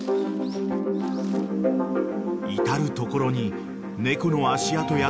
［至る所に猫の足跡や通り道］